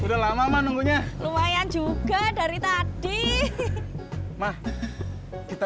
udah lama mah nunggunya lumayan juga dari tadi mah kita